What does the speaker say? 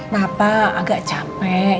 papa agak capek